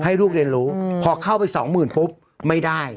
ให้ลูกเรียนรู้พอเข้าไปสองหมื่นปุ๊บไม่ได้